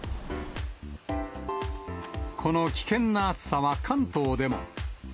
この危険な暑さは関東でも。